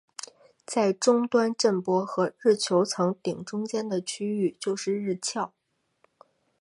在终端震波和日球层顶中间的区域就是日鞘。